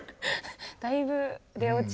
だいぶ出落ち。